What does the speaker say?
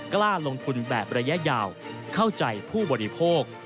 กล้าลงทุนแบบระยะยาวเข้าใจผู้บริโภค